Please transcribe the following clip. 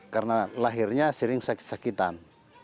karena lahirnya sering sakitan